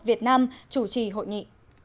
việt nam chủ trì hội nghị